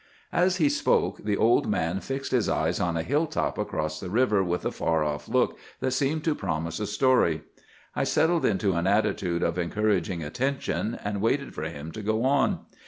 "As he spoke, the old man fixed his eyes on a hilltop across the river, with a far off look that seemed to promise a story. I settled into an attitude of encouraging attention, and waited for him to go on.